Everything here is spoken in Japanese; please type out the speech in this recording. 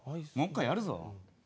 もう１回やるぞ。